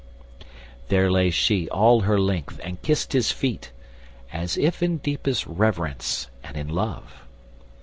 There lay she all her length and kissed his feet, As if in deepest reverence and in love.